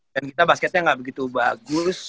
dan kita basketnya nggak begitu bagus